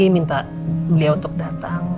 minta beliau untuk datang